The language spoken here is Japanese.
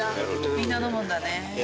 みんな飲むんだね